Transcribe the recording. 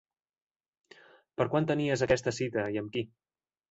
Per quan tenies aquesta cita i amb qui?